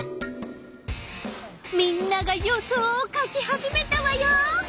みんなが予想を書き始めたわよ！